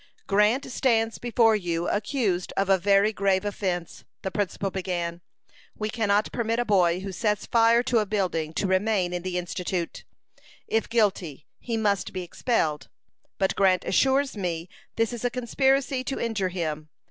"Grant stands before you accused of a very grave offence," the principal began. "We cannot permit a boy who sets fire to a building to remain in the Institute. If guilty, he must be expelled. But Grant assures me this is a conspiracy to injure him.